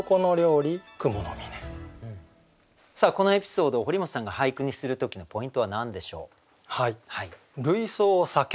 このエピソードを堀本さんが俳句にする時のポイントは何でしょう？